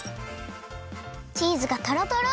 チーズがとろとろ！